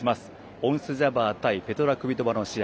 オンス・ジャバー対ペトラ・クビトバの試合。